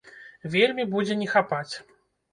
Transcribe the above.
Вельмі будзе не хапаць.